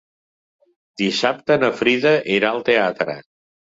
Dissabte na Frida irà al teatre.